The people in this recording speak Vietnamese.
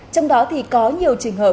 trong đó thì có nhiều trường hợp